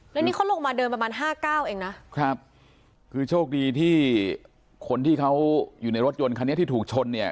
แล้วนี่เขาลงมาเดินประมาณห้าเก้าเองนะครับคือโชคดีที่คนที่เขาอยู่ในรถยนต์คันนี้ที่ถูกชนเนี่ย